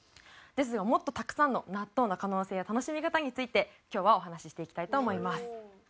ですがもっとたくさんの納豆の可能性や楽しみ方について今日はお話ししていきたいと思います。